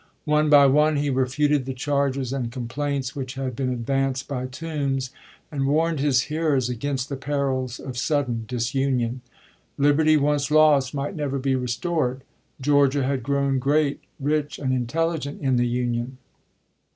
One by one he refuted the charges and complaints which had been advanced by Toombs, and warned his hearers against the perils of sudden disunion. Liberty once lost might never be restored. Georgia had grown great, rich, and intelligent in the Union.